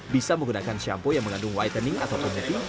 bisa menggunakan shampoo yang mengandung whitening atau putih